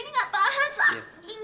ini gak tahan sakit